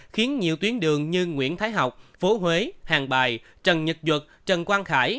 khiến nhiều tuyến đường như nguyễn thái học phố huế hàng bài trần nhật duật trần quang khải